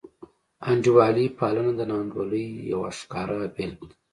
انډیوالي پالنه د ناانډولۍ یوه ښکاره بېلګه ده.